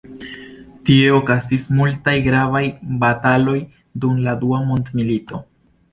Tie okazis multaj gravaj bataloj dum la Dua Mondmilito.